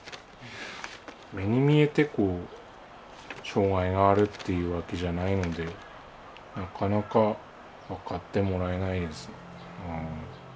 目に見えて障害があるっていうわけじゃないのでなかなか分かってもらえないです。